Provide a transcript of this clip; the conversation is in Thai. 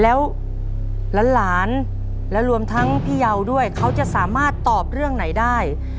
แล้วหลานและรวมทั้งพี่เยาด้วยเขาจะสามารถตอบเรื่องไหนได้